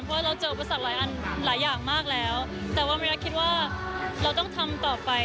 เพราะว่าเราเจอบุษักหลายอย่างมากแล้วแต่ว่าไม่ได้คิดว่าเราต้องทำต่อไป